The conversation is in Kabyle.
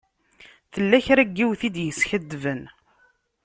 Tella kra n yiwet i d-yeskadben.